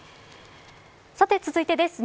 さて、続いてです。